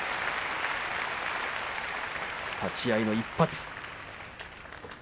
立ち合いの一発。